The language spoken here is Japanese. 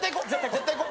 絶対行こう。